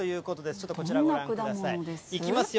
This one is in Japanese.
ちょっとこちらをご覧ください。いきますよ。